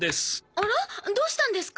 あらどうしたんですか？